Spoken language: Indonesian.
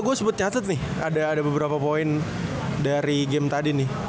gue sebut nyatat nih ada beberapa poin dari game tadi nih